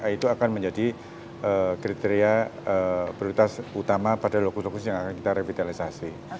itu akan menjadi kriteria prioritas utama pada lokus lokus yang akan kita revitalisasi